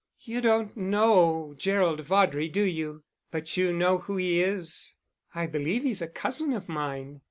"You don't know Gerald Vaudrey, do you? But you know who he is." "I believe he's a cousin of mine."